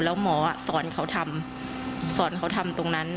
แล้วหมอสอนเขาทำสอนเขาทำตรงนั้น